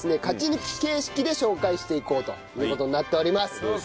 勝ち抜き形式で紹介していこうという事になっております。